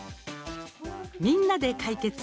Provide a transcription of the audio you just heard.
「みんなで解決！